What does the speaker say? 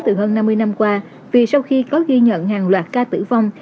từ hơn năm mươi năm qua vì sau khi có ghi nhận hàng loạt ca tử vong